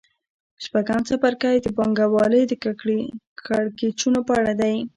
شپږم څپرکی د پانګوالۍ د کړکېچونو په اړه دی